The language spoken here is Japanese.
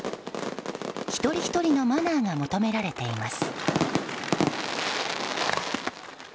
一人ひとりのマナーが求められています。